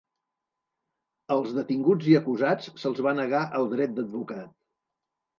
Als detinguts i acusats se'ls va negar el dret d'advocat.